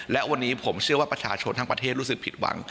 และวันนี้ผมเชื่อว่าประชาชนทั้งประเทศรู้สึกผิดหวัง